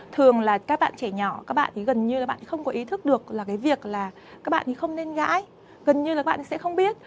thường là các bạn trẻ nhỏ các bạn thì gần như là bạn không có ý thức được là cái việc là các bạn thì không nên gãi gần như là các bạn sẽ không biết